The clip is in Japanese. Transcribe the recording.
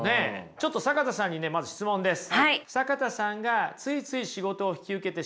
ちょっと坂田さんにねまず質問です。